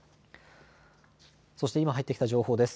そして今入ってきた情報です。